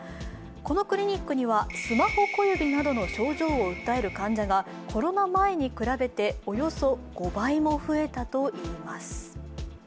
このクリニックにはスマホ小指などの症状を訴える患者がコロナ前に比べておよそ５倍も増えたといいます。